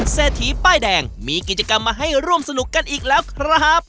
เศรษฐีป้ายแดงมีกิจกรรมมาให้ร่วมสนุกกันอีกแล้วครับ